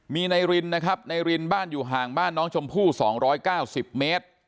มีนายรินนะครับนายรินบ้านอยู่ห่างบ้านน้องชมพู่๒๙๐เมตร